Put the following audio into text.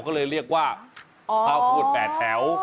ก็เลยเรียกว่าข้าวโพด๘แถว